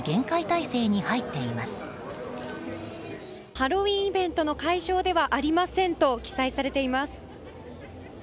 ハロウィーンイベントの会場ではありませんと記載されています。